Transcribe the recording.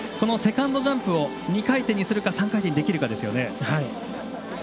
セカンドジャンプを２回転にするか３回転にするかですね。